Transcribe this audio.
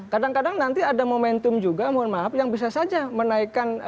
kadang kadang nanti ada momentum juga mohon maaf yang bisa saja menaikkan